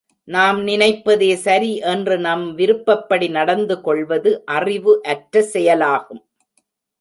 நாம் நினைப்பதே சரி என்று நம் விருப்பப்படி நடந்து கொள்வது அறிவு அற்ற செயலாகும்.